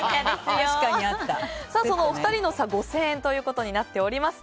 お二人の差５０００円ということになっております。